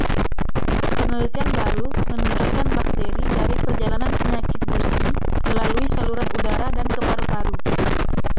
Penelitian baru menunjukkan bakteri dari perjalanan penyakit gusi melalui saluran udara dan ke paru-paru.